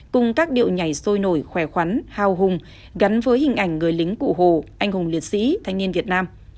cùng các điệu nhảy sôi nổi khỏe khoắn hào hùng gắn với hình ảnh người lính cụ hồ anh hùng liệt sĩ thanh niên việt nam